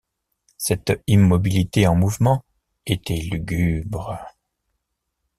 Cette immobilité en mouvement était lugubre.